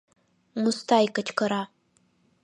— Мустай кычкыра.